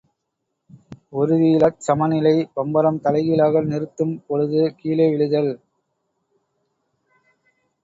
உறுதியிலாச் சமநிலை பம்பரம் தலைகீழாக நிறுத்தும் பொழுது கீழே விழுதல்.